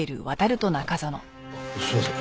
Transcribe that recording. すいません。